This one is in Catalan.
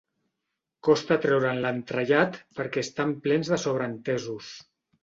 Costa treure'n l'entrellat perquè estan plens de sobreentesos.